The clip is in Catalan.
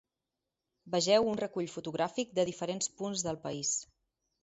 Vegeu un recull fotogràfic de diferents punts del país.